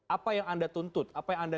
apa yang anda tuntut apa yang anda